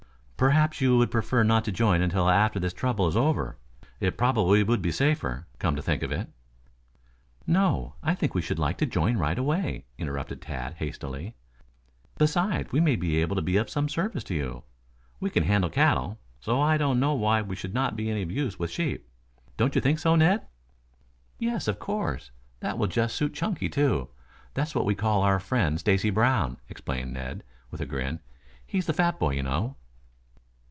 "Perhaps you would prefer not to join until after this trouble is over. It probably would be safer, come to think of it " "No. I think we should like to join right away," interrupted Tad hastily. "Besides, we may be able to be of some service to you. We can handle cattle, so I don't know why we should not be of use with sheep. Don't you think so, Ned?" "Yes, of course. That will just suit Chunky, too. That's what we call our friend Stacy Brown," explained Ned, with a grin. "He's the fat boy, you know."